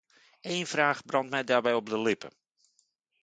Eén vraag brandt mij daarbij op de lippen.